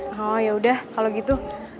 oh yaudah kalau gitu